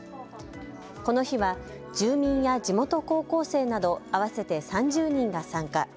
この日は住民や地元高校生など合わせて３０人が参加。